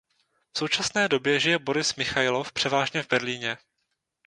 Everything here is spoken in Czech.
V současné době žije Boris Michajlov převážně v Berlíně.